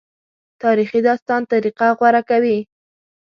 تاریخي داستان طریقه غوره کوي.